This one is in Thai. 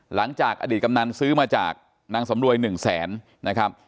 หลังจากอดีตกำนันซื้อมาจากนางสำรวย๑แสนนะครับ